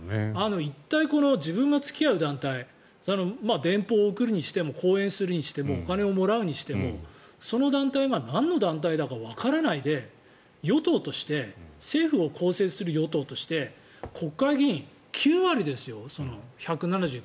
いったい自分が付き合う団体電報を送るにしても講演するにしてもお金をもらうにしてもその団体が何の団体だかわからないで与党として政府を構成する与党として国会議員９割ですよ。